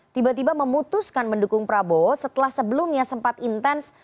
tiba tiba memutuskan mendukung prabowo setelah sebelumnya sempat intens